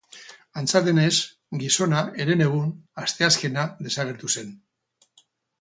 Antza denez, gizona herenegun, asteazkena, desagertu zen.